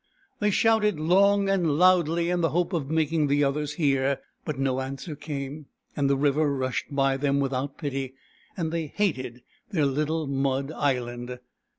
They shouted long and loudly in the hope of making the others hear ; but no answer came, and the river rushed by them without pity, and they hated their little mud island.